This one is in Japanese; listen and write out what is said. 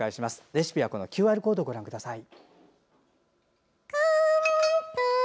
レシピはＱＲコードご覧ください。